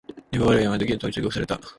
リボ払いはやめとけと忠告された